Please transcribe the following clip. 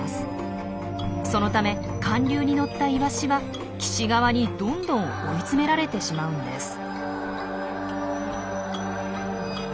そのため寒流に乗ったイワシは岸側にどんどん追い詰められてしまうんです。